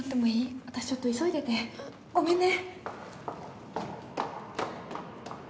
私ちょっと急いでてごめんね。